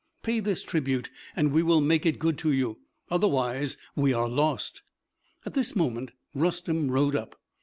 Pay this tribute, and we will make it good to you. Otherwise we are lost." At this moment Rustem rode up.